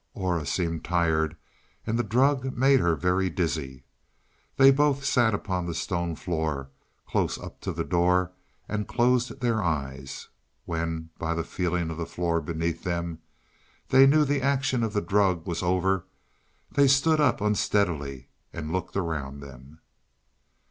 Aura seemed tired and the drug made her very dizzy. They both sat upon the stone floor, close up to the door, and closed their eyes. When, by the feeling of the floor beneath them, they knew the action of the drug was over, they stood up unsteadily and looked around them.